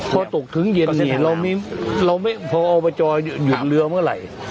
พอตกถึงเย็นเราไม่พออบจหยุดเรือเมื่อไหร่